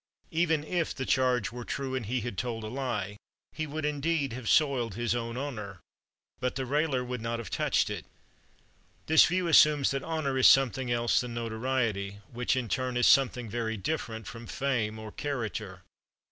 Even if the charge were true and he had told a lie, he would, indeed, have soiled his own honor, but the railer would not have touched it. This view assumes that honor is something else than notoriety, which in turn is something very different from fame or character.